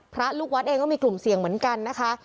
พระลูกวัดเองก็มีกลุ่มเสี่ยงเหมือนกันนะคะ